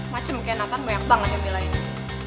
macem kayak nathan banyak banget yang belain dia